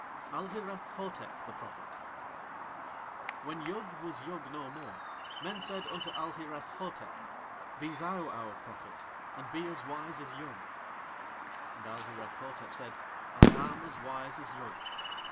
ALHIRETH HOTEP THE PROPHET When Yug was Yug no more men said unto Alhireth Hotep: "Be thou our prophet, and be as wise as Yug." And Alhireth Hotep said: "I am as wise as Yug."